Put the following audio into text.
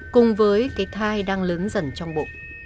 cùng với cái thai đang lớn dần trong bụng